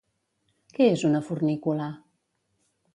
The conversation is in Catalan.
Què és una fornícula?